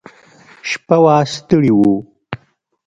شپه وه ستړي وو.